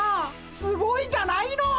すごいじゃないの！